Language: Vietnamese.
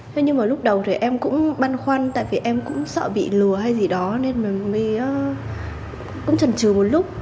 thế nhưng mà lúc đầu thì em cũng băn khoăn tại vì em cũng sợ bị lừa hay gì đó nên mình mới cũng trần trừ một lúc